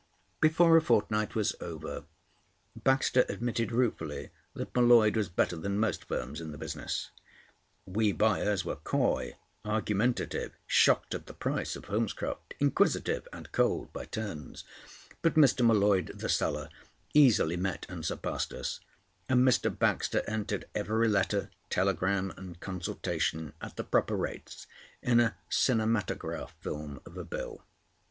Before a fortnight was over, Baxter admitted ruefully that M'Leod was better than most firms in the business: We buyers were coy, argumentative, shocked at the price of Holmescroft, inquisitive, and cold by turns, but Mr. M'Leod the seller easily met and surpassed us; and Mr. Baxter entered every letter, telegram, and consultation at the proper rates in a cinematograph film of a bill.